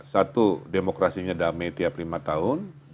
satu demokrasinya damai tiap lima tahun